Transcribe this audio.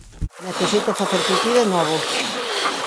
Necesito facer pipí de novo.